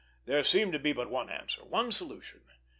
There seemed to be but one answer, one solution.